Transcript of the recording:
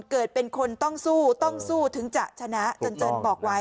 เกิดเป็นคนต้องสู้ต้องสู้ถึงจะชนะจนบอกไว้